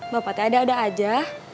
bapak tidak ada aja